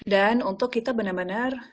dan untuk kita benar benar